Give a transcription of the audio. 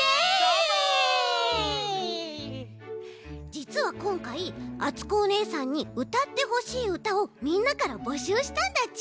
じつはこんかいあつこおねえさんにうたってほしいうたをみんなからぼしゅうしたんだち。